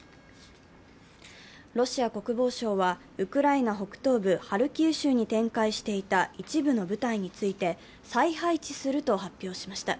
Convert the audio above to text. ロシア国防省は、ウクライナ北東部ハルキウ州に展開していた一部の部隊について、再配置すると発表しました。